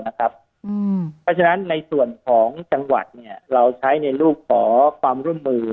เพราะฉะนั้นในส่วนของจังหวัดเราใช้ในรูปขอความร่วมมือ